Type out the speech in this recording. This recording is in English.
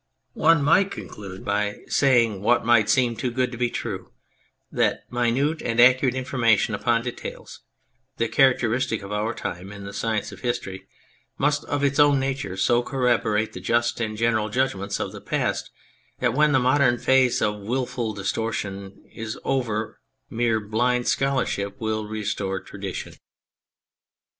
One might conclude by saying what might seem too good to be true : that minute and accurate in formation upon details (the characteristic of our time in the science of history) must of its own nature so corroborate the just and general judgments of the past that when the modern phase of wilful distortion is over mere blind scholarship will restore tradition.